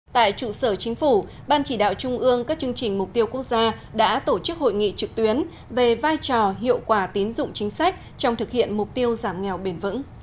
tại trụ sở chính phủ ban chỉ đạo trung ương các chương trình mục tiêu quốc gia đã tổ chức hội nghị trực tuyến về vai trò hiệu quả tín dụng chính sách trong thực hiện mục tiêu giảm nghèo bền vững